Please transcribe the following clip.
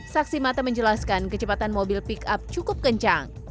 saksi mata menjelaskan kecepatan mobil pick up cukup kencang